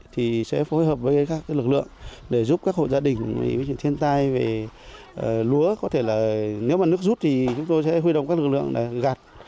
thì sẽ phối hợp với các lực lượng để giúp các hộ gia đình thiên tai về lúa có thể là nếu mà nước rút thì chúng tôi sẽ huy động các lực lượng gạt